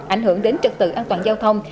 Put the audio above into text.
ảnh hưởng đến trật tự an toàn giao thông